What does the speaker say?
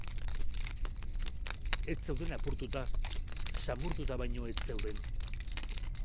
Ez zeuden apurtuta, samurtuta baino ez zeuden.